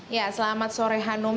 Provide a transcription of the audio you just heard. ya selamat sore hanum